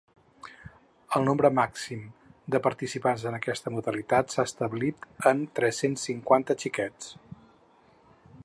El nombre màxim de participants en aquesta modalitat s’ha establit en tres-cents cinquanta xiquets.